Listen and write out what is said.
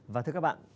và thưa các bạn